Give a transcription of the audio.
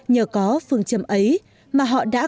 nhờ có phương châm ấy mà họ đã